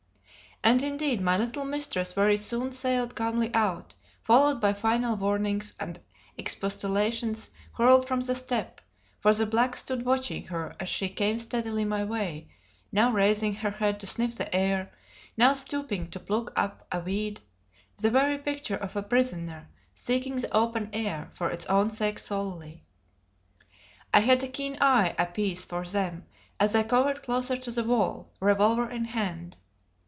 And indeed my little mistress very soon sailed calmly out, followed by final warnings and expostulations hurled from the step: for the black stood watching her as she came steadily my way, now raising her head to sniff the air, now stooping to pluck up a weed, the very picture of a prisoner seeking the open air for its own sake solely. I had a keen eye apiece for them as I cowered closer to the wall, revolver in hand.